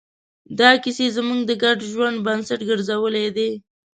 دا کیسې زموږ د ګډ ژوند بنسټ ګرځېدلې دي.